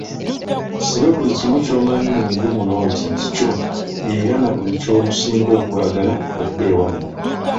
Siba buli kimu ky'omanyi mu nju muno nti kikyo era na buli ky'osinga okwagala odde ewammwe.